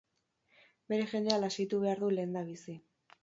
Bere jendea lasaitu behar du lehendabizi.